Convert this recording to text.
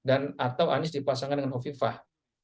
atau anies dipasangkan dengan hovifah